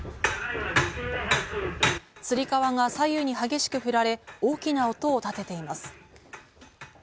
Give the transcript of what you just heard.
つり革が左右に激しく振られ、大きな音をたてています。